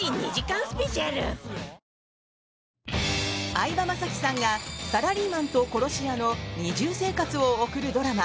相葉雅紀さんがサラリーマンと殺し屋の二重生活を送るドラマ